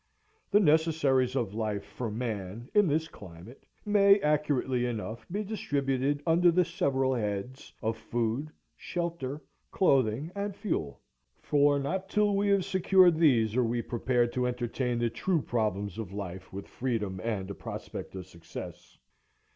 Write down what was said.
The necessaries of life for man in this climate may, accurately enough, be distributed under the several heads of Food, Shelter, Clothing, and Fuel; for not till we have secured these are we prepared to entertain the true problems of life with freedom and a prospect of success.